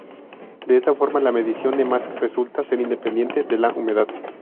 De esta forma, la medición de masa resulta ser independiente de la humedad.